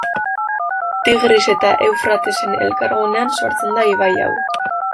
Tigris eta Eufratesen elkargunean sortzen da ibai hau.